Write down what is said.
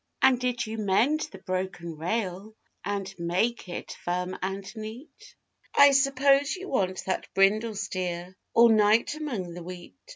And did you mend the broken rail And make it firm and neat? I s'pose you want that brindle steer All night among the wheat.